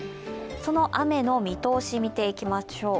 その雨の見通しを見ていきましょう。